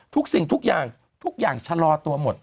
ทุกสิ่งทุกอย่างทุกอย่างชะลอตัวหมด